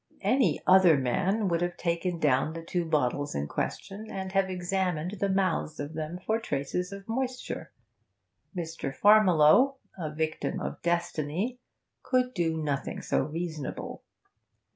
Any other man would have taken down the two bottles in question, and have examined the mouths of them for traces of moisture. Mr. Farmiloe, a victim of destiny, could do nothing so reasonable.